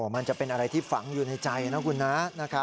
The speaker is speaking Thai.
มันจะเป็นอะไรที่ฝังอยู่ในใจนะคุณนะ